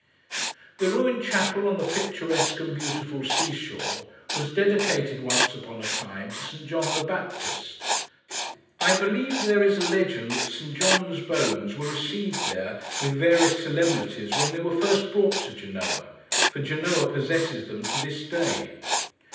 The ruined chapel, on the picturesque and beautiful sea shore, was dedicated, once upon a time, to Saint John the Baptist. I believe there is a legend that Saint John's bones were received there, with various solemnities, when they were first brought to Genoa; for Genoa possesses them to this day.